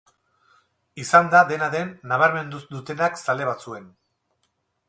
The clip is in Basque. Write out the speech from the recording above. Izan da, dena den, nabarmendu dutenak zale batzuen.